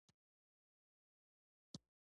د شعر معنی د شاعر په خیټه کې ده.